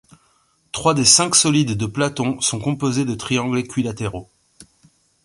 Trois des cinq solides de Platon sont composés de triangles équilatéraux.